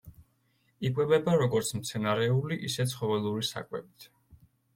იკვებება როგორც მცენარეული, ისე ცხოველური საკვებით.